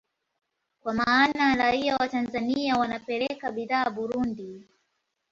Kwa maana raia wa Tanzania wanapeleka bidhaa Burundi